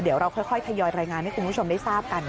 เดี๋ยวเราค่อยทยอยรายงานให้คุณผู้ชมได้ทราบกัน